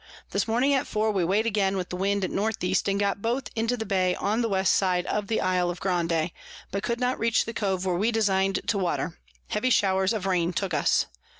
This morning at four we weigh'd again with the Wind at N E. and got both into the Bay on the West side of the Isle of Grande, but could not reach the Cove where we design'd to water: heavy Showers of Rain took us.